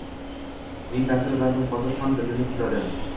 Uning ta’siri, ba’zan hozir ham bilinib turadi